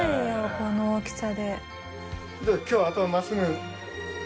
この大きさで。